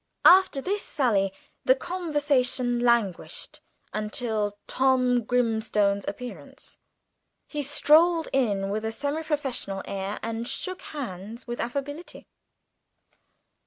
After this sally the conversation languished until Tom Grimstone's appearance. He strolled in with a semi professional air, and shook hands with affability.